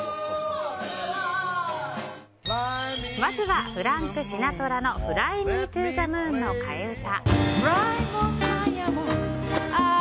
まずはフランク・シナトラの「フライ・ミー・トゥ・ザ・ムーン」の替え歌。